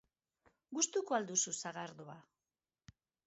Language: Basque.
Gustuko al duzu sagardoa?